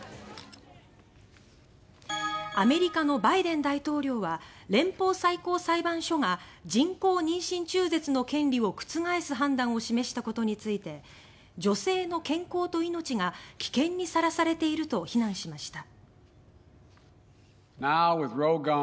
アメリカのバイデン大統領は連邦最高裁判所が人工妊娠中絶の権利を覆す判断を示したことについて女性の健康と命が危険にさらされていると非難しました。